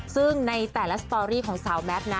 ซึ่งในแต่ละสตอรี่ของสาวแมทนะ